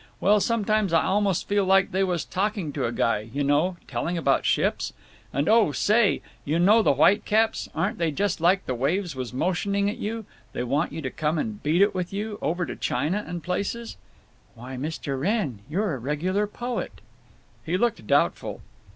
Well, sometimes I almost feel like they was talking to a guy—you know—telling about ships. And, oh say, you know the whitecaps—aren't they just like the waves was motioning at you—they want you to come and beat it with you—over to China and places." "Why, Mr. Wrenn, you're a regular poet!" He looked doubtful.